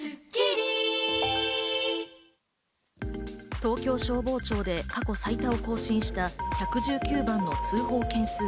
東京消防庁で過去最多を更新した１１９番の通報件数。